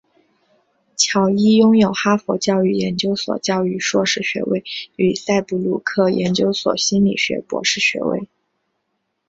乔伊拥有哈佛教育研究所教育硕士学位与赛布鲁克研究所心理学博士学位。